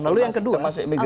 lalu yang kedua